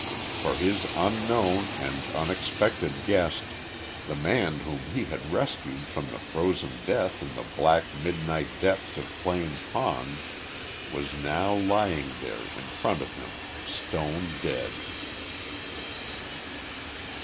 For his unknown and unexpected guest, the man whom he had rescued from the frozen death in the black midnight depths of Plane Pond, was now lying there in front of him stone dead.